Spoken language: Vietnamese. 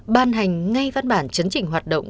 ban hành ngay văn bản chấn chỉnh hoạt động